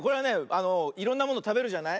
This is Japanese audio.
あのいろんなものたべるじゃない？